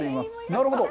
なるほど。